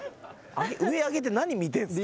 上上げて何見てんすか。